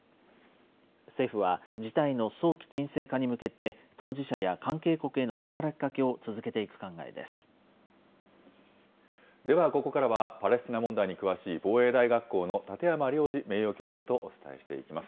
政府は事態の早期沈静化に向けて、当事者や関係国への働きかけを続ではここからは、パレスチナ問題に詳しい、防衛大学校の立山良司名誉教授とお伝えしていきます。